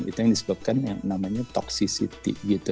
itu yang disebabkan yang namanya toxicity gitu